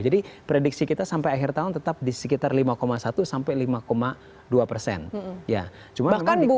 jadi prediksi kita sampai akhir tahun tetap di sekitar lima satu sampai lima dua persen